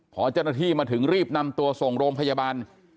พอเจ้าหน้าที่มาถึงรีบนำตัวส่งโรงพยาบาล